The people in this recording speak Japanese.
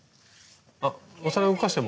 あお皿動かしても。